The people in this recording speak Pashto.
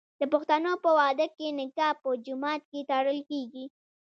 د پښتنو په واده کې نکاح په جومات کې تړل کیږي.